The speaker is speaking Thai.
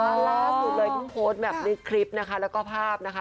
ล่าสุดเลยคุณโพสต์แบบในคลิปแล้วก็ภาพนะคะ